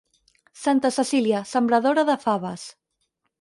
Santa Cecília, sembradora de faves.